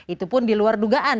itu pun diluar dugaan